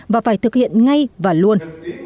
và phải thực hiện ngay và luôn